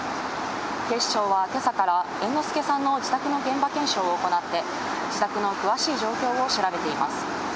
警視庁はけさから、猿之助さんの自宅の現場検証を行って、自宅の詳しい状況を調べています。